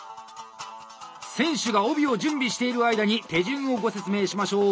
選手が帯を準備している間に手順をご説明しましょう！